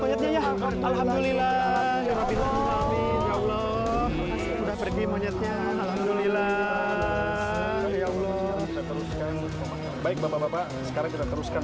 ya allah baik bapak bapak sekarang kita teruskan